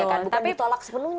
bukan ditolak sebelumnya